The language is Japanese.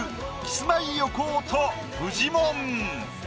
キスマイ横尾とフジモン。